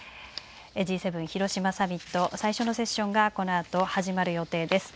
Ｇ７広島サミット最初のセッションがこのあと始まる予定です。